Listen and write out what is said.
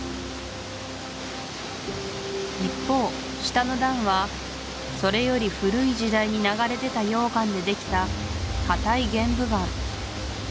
一方下の段はそれより古い時代に流れ出た溶岩でできた硬い玄武岩